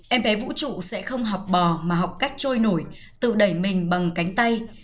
em bé vũ trụ sẽ không học bò mà học cách trôi nổi tự đẩy mình bằng cánh tay